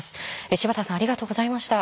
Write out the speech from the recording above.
柴田さんありがとうございました。